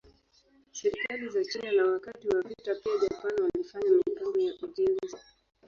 Serikali za China na wakati wa vita pia Japan walifanya mipango ya ujenzi.